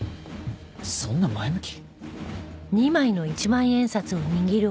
そんな前向き？